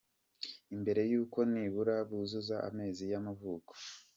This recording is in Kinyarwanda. mbere y'uko nibura buzuza amezi y'amavuko